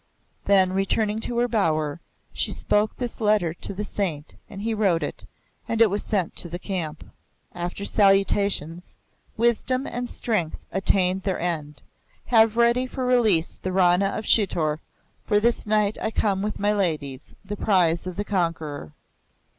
Then, returning to her bower, she spoke this letter to the saint, and he wrote it, and it was sent to the camp. After salutations "Wisdom and strength have attained their end. Have ready for release the Rana of Chitor, for this night I come with my ladies, the prize of the conqueror."